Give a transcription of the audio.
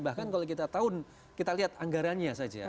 bahkan kalau kita tahun kita lihat anggarannya saja